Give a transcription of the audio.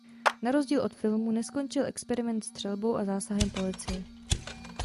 Na rozdíl od filmu neskončil experiment střelbou a zásahem policie.